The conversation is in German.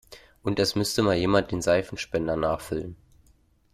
Und es müsste mal jemand den Seifenspender nachfüllen.